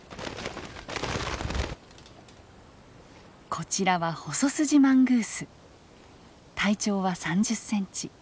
こちらは体長は３０センチ。